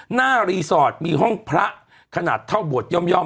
รีสอร์ทมีห้องพระขนาดเท่าบวชย่อม